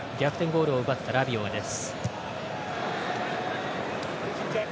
ゴールを奪ったラビオです。